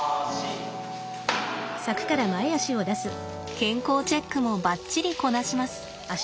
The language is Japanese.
健康チェックもばっちりこなします。